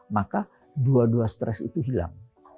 maka dua dua stres itu hilang